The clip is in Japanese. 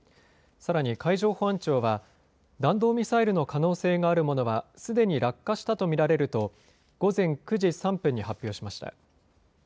さらに海上保安庁は弾道ミサイルの可能性があるものはすでに落下したと見られると午前９時３分に発表しました。